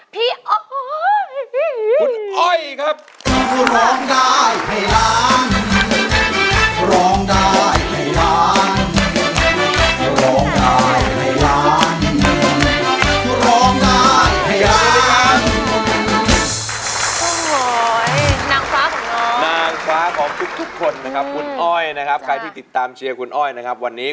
เพราะฉะนั้นขอเสียงปรบมือดังต้อนรับพี่อ้อย